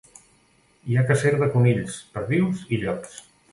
Hi ha cacera de conills, perdius i llops.